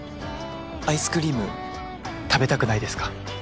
アイスクリーム食べたくないですか？